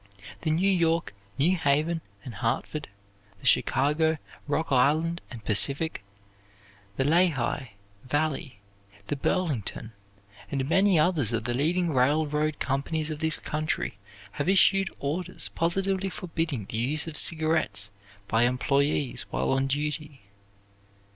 The New York, New Haven, and Hartford, the Chicago, Rock Island, and Pacific, the Lehigh Valley, the Burlington, and many others of the leading railroad companies of this country have issued orders positively forbidding the use of cigarettes by employees while on duty.